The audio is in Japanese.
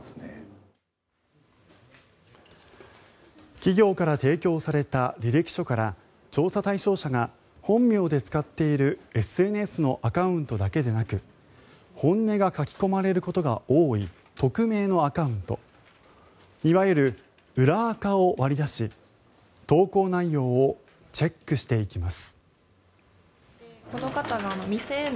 企業から提供された履歴書から調査対象者が本名で使っているＳＮＳのアカウントだけでなく本音が書きこまれることが多い匿名のアカウントいわゆる裏アカを割り出し投稿内容をチェックしていきます。